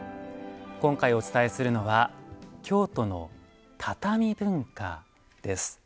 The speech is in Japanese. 今回お伝えするのは「京都の畳文化」です。